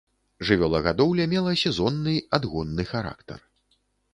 Жывёлагадоўля мела сезонны адгонны характар.